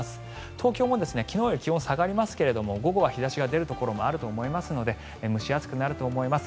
東京も昨日より気温下がりますが午後は日差しが出るところもあると思いますので蒸し暑くなると思います。